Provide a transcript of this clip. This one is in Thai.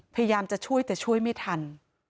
พยายามจะช่วยแต่ช่วยไม่ทัน